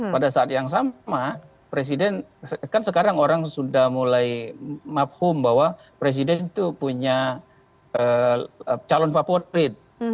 pada saat yang sama presiden kan sekarang orang sudah mulai mafhum bahwa presiden itu punya calon favorit